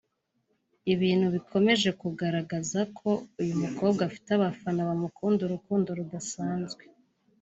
ibintu bikomeje kugaragaza ko uyu mukobwa afite abafana bamukunda urukundo rudasanzwe